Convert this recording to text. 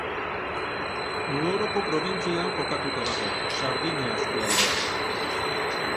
Nuoroko probintzian kokatuta dago, Sardinia eskualdean.